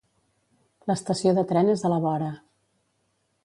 L'estació de tren és a la vora.